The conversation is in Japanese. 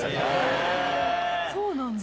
そうなんだ。